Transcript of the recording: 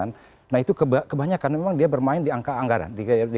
nah itu kebanyakan memang dia bermain di angka anggaran